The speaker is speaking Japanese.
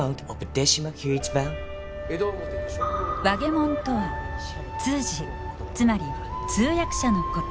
もんとは通詞つまり通訳者のこと。